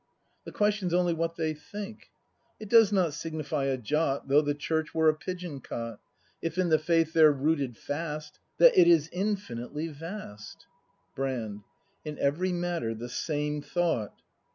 The question's only what they think. It does not signify a jot Though the Church were a pigeon cot, If in the faith they're rooted fast. That it is infinitely vast. Brand. In every matter the same thought.